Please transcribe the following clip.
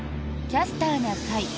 「キャスターな会」。